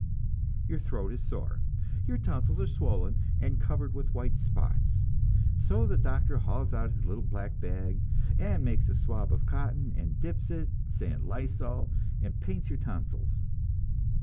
Your throat is sore, your tonsils are swollen and covered with white spots; so the doctor hauls out his little black bag, and makes a swab of cotton and dips it, say in lysol, and paints your tonsils.